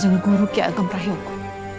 dari kanjeng guru kyai ageng prohiyoku